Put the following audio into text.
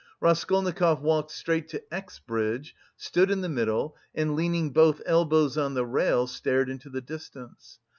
Raskolnikov walked straight to X Bridge, stood in the middle, and leaning both elbows on the rail stared into the distance.